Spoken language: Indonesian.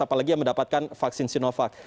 apalagi yang mendapatkan vaksin sinovac